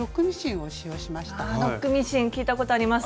ロックミシン聞いたことあります。